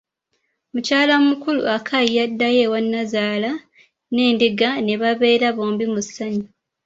Mukyala mukulu, Akai, yaddayo ewa nazaala n'endiga ne babeera bombi mu ssanyu.